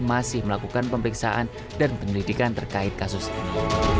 masih melakukan pemeriksaan dan penyelidikan terkait kasus ini